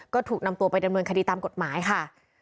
ก็ถูกนำตัวไปดำเนินคดีตามกฎหมายค่ะ